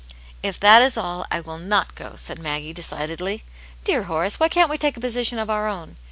'" If that is all, I will not go," said Maggie, de cidedly. " Dear Horace, why can't we take a posi tion of our own?